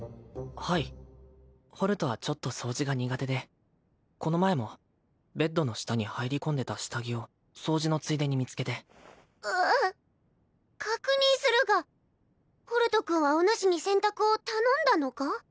はいホルトはちょっと掃除が苦手でこの前もベッドの下に入り込んでた下着を掃除のついでに見つけて確認するがホルト君はおぬしに洗濯を頼んだのか？